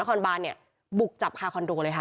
นครบานบุกจับคาคอนโดเลยค่ะ